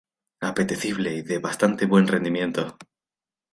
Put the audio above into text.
Apetecible y de bastante buen rendimiento.